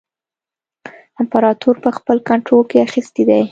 امپراطور په خپل کنټرول کې اخیستی دی.